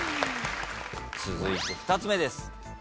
続いて２つ目です。